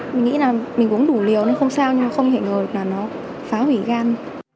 mình nghĩ là mình uống đủ liều nên không sao nhưng mà không thể ngờ là nó phá hủy gan